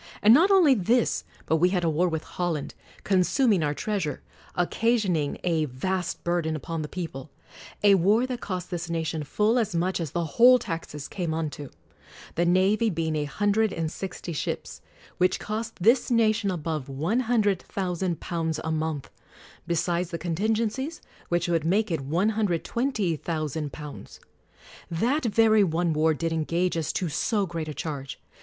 And not only this, but we had a war with Holland; consuming our treas ure ; occasioning a vast burden upon the people. A war that cost this nation full as much as the whole taxes came unto ; the navy being a hundred and sixty ships, which cost this nation' above £100,000 a month; besides the contingencies, which would make it £120,000. That very one war did engage us to so great a charge.